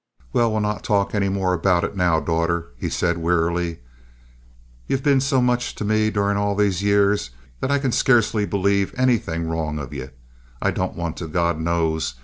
"Well, we'll not talk any more about it now, daughter," he said, wearily. "Ye've been so much to me during all these years that I can scarcely belave anythin' wrong of ye. I don't want to, God knows.